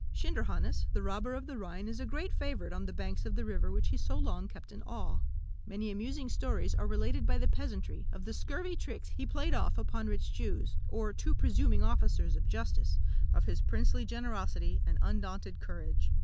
Schinderhannes, the robber of the Rhine, is a great favourite on the banks of the river which he so long kept in awe. Many amusing stories are related by the peasantry of the scurvy tricks he played off upon rich Jews, or too presuming officers of justice of his princely generosity, and undaunted courage.